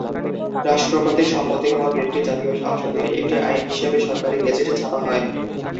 রাষ্ট্রপতির সম্মতির পর বিলটি জাতীয় সংসদের একটি আইন হিসেবে সরকারি গেজেটে ছাপা হয়।